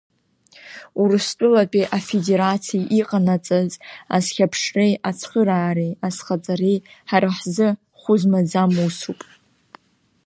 Урыстәылатәи Афедерациа иҟанаҵаз азхьаԥшреи ацхыраареи азхаҵареи ҳара ҳзы хәы-змаӡам усуп.